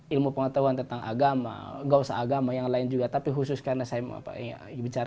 ilmu pengetahuan tentang agama gak usah agama yang lain juga tapi khusus karena saya bicara